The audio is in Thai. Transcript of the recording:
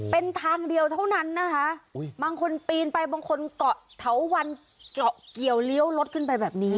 เป็นทางเดียวเท่านั้นนะคะบางคนปีนไปบางคนเกาะเถาวันเกาะเกี่ยวเลี้ยวรถขึ้นไปแบบนี้